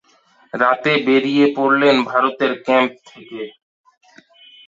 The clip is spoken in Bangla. রাতে বেরিয়ে পড়লেন ভারতের ক্যাম্প থেকে।